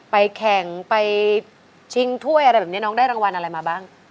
แข่งไปชิงถ้วยอะไรแบบนี้น้องได้รางวัลอะไรมาบ้าง